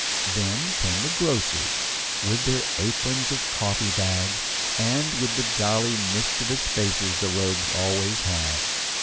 Then came the grocers, with their aprons of coffee bags, and with the jolly, mischievous faces the rogues always have.